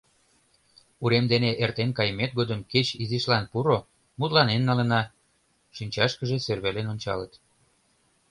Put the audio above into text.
— Урем дене эртен кайымет годым кеч изишлан пуро, мутланен налына, — шинчашкыже сӧрвален ончалыт.